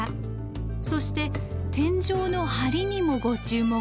そして天井のはりにもご注目。